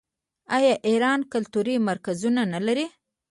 آیا ایران کلتوري مرکزونه نلري؟